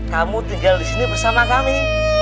kamu tinggal di sini bersama kami